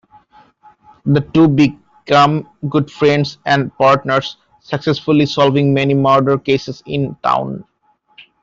The two become good friends and partners, successfully solving many murder cases in town.